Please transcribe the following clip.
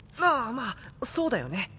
ああまあそうだよね